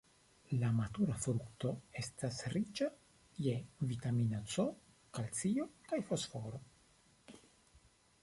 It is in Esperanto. La matura frukto estas riĉa je vitamino C, kalcio kaj fosforo.